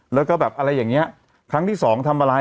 แล้วก็แบบอะไรอย่างเงี้ยครั้งที่สองทำอะไร